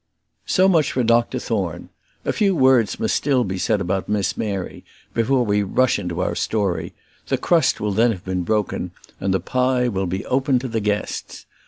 So much for Dr Thorne. A few words must still be said about Miss Mary before we rush into our story; the crust will then have been broken, and the pie will be open to the guests.